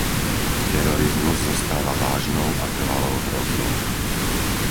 Terorizmus zostáva vážnou a trvalou hrozbou.